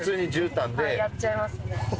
やっちゃいますね。